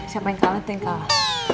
siapa yang kalah atau yang kalah